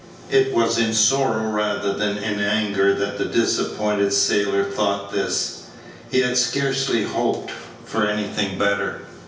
It was in sorrow rather than in anger that the disappointed sailor thought this. He had scarcely hoped for anything better.